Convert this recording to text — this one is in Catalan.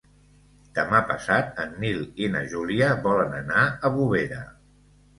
Demà passat en Nil i na Júlia volen anar a Bovera.